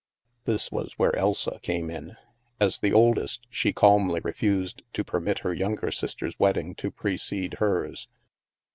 This was where Elsa came in. As the oldest, she calmly refused to permit her youngest sister's wed ding to precede hers.